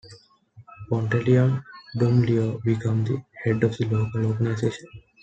Pantaleon Dumlao became the head of the local organization.